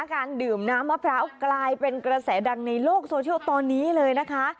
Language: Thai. การดื่มน้ำมะพร้าวกลายเป็นกระแสดังในโลกโซเชียลตอนนี้เลยนะคะ